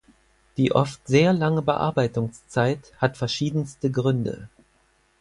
Die oft sehr lange Bearbeitungszeit hat verschiedenste Gründe.